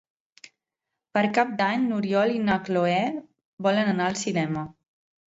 Per Cap d'Any n'Oriol i na Cloè volen anar al cinema.